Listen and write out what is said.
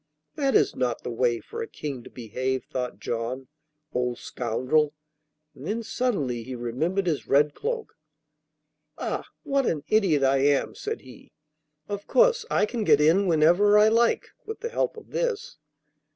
'That is not the way for a King to behave,' thought John. 'Old scoundrel!' and then suddenly he remembered his red cloak. 'Ah, what an idiot I am!' said he. 'Of course I can get in whenever I like with the help of this.